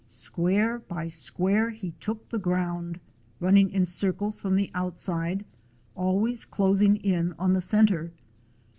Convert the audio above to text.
Square by square he took the ground, running in circles from the outside, always closing in on the center.